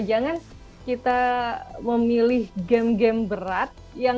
jangan kita memilih game game berat